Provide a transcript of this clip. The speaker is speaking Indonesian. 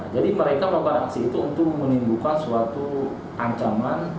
jadi mereka melakukan aksi itu untuk menimbulkan suatu ancaman